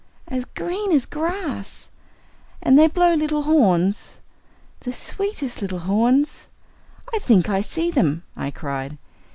"As green as grass." "And they blow little horns?" "The sweetest little horns!" "I think I see them," I cried.